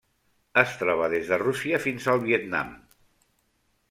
Es troba des de Rússia fins al Vietnam.